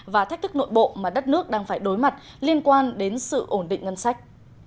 và thách thức nội bộ mà đất nước đang phải đối mặt liên quan đến sự ổn định ngân sách